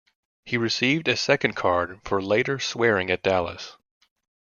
He received a second card for later swearing at Dallas.